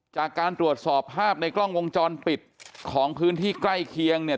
จากการตรวจสอบภาพในกล้องวงจรปิดของพื้นที่ใกล้เคียงเนี่ย